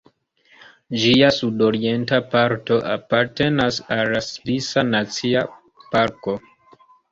Ĝia sudorienta parto apartenas al la Svisa Nacia Parko.